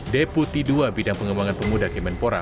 deputi dua bidang pengembangan pemuda kemenpora